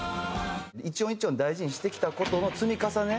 １音１音大事にしてきた事の積み重ねが。